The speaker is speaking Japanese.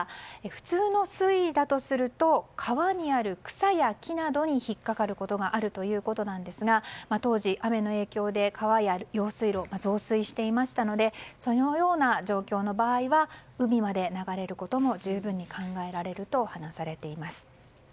普通の水位だとすると川にある草や木などに引っかかることがあるということなんですが当時、雨の影響で川や用水路が増水していましたのでそのような状況の場合は海まで流れることも十分に考えられると話されています。